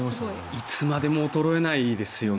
いつまでも衰えないですよね。